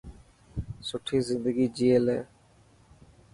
سٺي زندگي جئي لي.